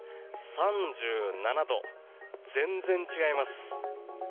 ３７度、全然違います。